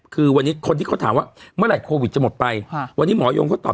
คือวันนี้คนที่เขาถามว่าเมื่อไหร่โควิดจะหมดไปวันนี้หมอยงเขาตอบ